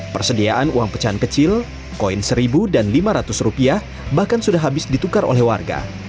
persediaan uang pecahan kecil koin seribu dan lima ratus rupiah bahkan sudah habis ditukar oleh warga